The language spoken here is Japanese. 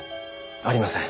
ありません。